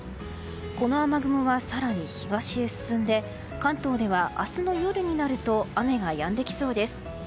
この雨雲は更に東へ進んで関東では明日の夜になると雨がやんできそうです。